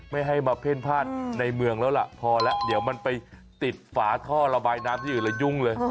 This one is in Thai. ไม่ให้มาเพ่นพลาดในเมืองแล้วล่ะพอแล้วเดี๋ยวมันไปติดฝาท่อระบายน้ำที่อื่นแล้วยุ่งเลย